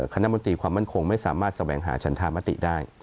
คณะมนตรีความมั่นคงไม่สามารถแสวงหาชันธรรมติได้